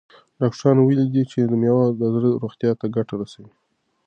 ډاکټرانو ویلي دي چې مېوه د زړه روغتیا ته ګټه رسوي.